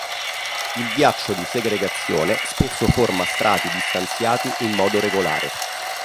Il ghiaccio di segregazione spesso forma strati distanziati in modo regolare.